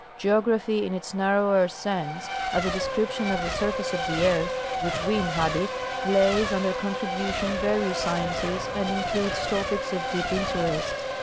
Geography in its narrower sense, as a description of the surface of the earth which we inhabit, lays under contribution various sciences, and includes topics of deep interest.